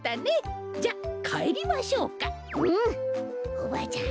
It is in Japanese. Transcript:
おばあちゃん